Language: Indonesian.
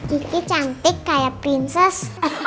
ini kiki cantik kayak prinses